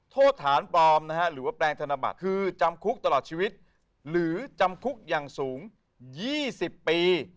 โทษฐานปลอมนะฮะหรือว่าแปลงธนบัตรคือจำคุกตลอดชีวิตหรือจำคุกอย่างสูง๒๐ปี